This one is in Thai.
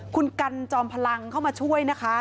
คุณกันจอมพลังเข้ามาช่วยนะคะ